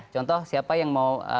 contoh siapa yang mau